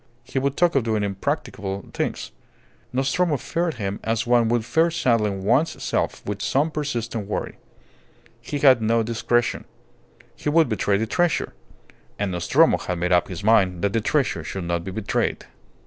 He would talk of doing impracticable things. Nostromo feared him as one would fear saddling one's self with some persistent worry. He had no discretion. He would betray the treasure. And Nostromo had made up his mind that the treasure should not be betrayed.